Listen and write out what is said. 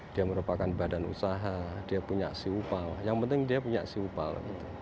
dia merupakan badan usaha dia punya siupal yang penting dia punya siupal